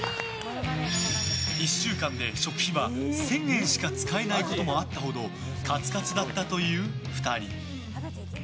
１週間で食費は１０００円しか使えないこともあったほどカツカツだったという２人。